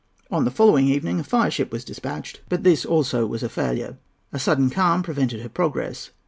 On the following evening a fireship was despatched; but this also was a failure. A sudden calm prevented her progress.